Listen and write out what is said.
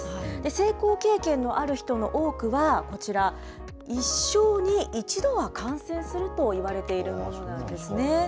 性交経験のある人の多くは、こちら、一生に一度は感染するといわれているものなんですね。